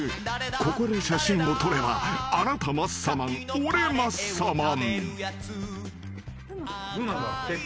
［ここで写真を撮ればあなたマッサマン。俺マッサマン］風磨君。